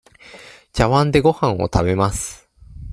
ちゃわんでごはんを食べます。